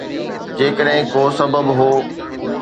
جيڪڏهن ڪو سبب هو.